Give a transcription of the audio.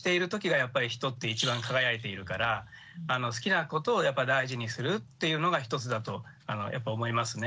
やっぱり人って一番輝いているから好きなことを大事にするっていうのが一つだとやっぱ思いますね。